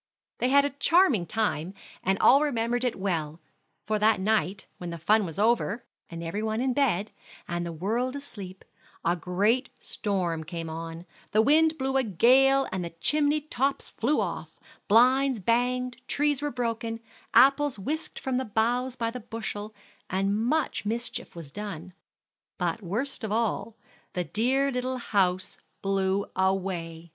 They had a charming time, and all remembered it well; for that night, when the fun was over, every one in bed, and the world asleep, a great storm came on; the wind blew a gale and chimney tops flew off, blinds banged, trees were broken, apples whisked from the boughs by the bushel, and much mischief was done. But worst of all, the dear little house blew away!